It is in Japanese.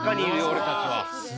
俺たちは。